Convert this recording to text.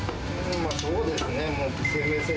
そうですね。